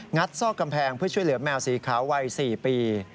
ซอกกำแพงเพื่อช่วยเหลือแมวสีขาววัย๔ปี